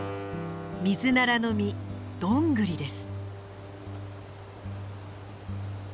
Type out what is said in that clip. ミズナラの実ドングリです。